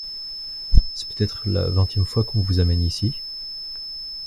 C’est peut-être la vingtième fois qu’on vous amène ici ?